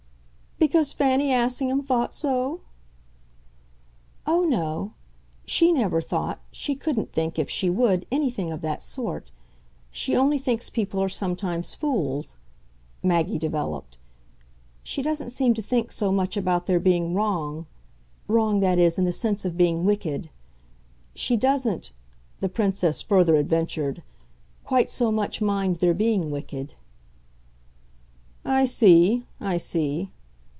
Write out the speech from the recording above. "Because Fanny Assingham thought so?" "Oh no; she never thought, she couldn't think, if she would, anything of that sort. She only thinks people are sometimes fools," Maggie developed; "she doesn't seem to think so much about their being wrong wrong, that is, in the sense of being wicked. She doesn't," the Princess further adventured, "quite so much mind their being wicked." "I see I see."